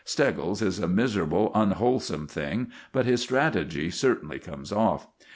Steggles is a miserable, unwholesome thing, but his strategy certainly comes off.